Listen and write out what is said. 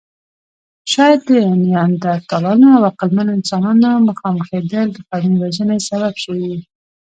شاید د نیاندرتالانو او عقلمنو انسانانو مخامخېدل د قومي وژنې سبب شوې وي.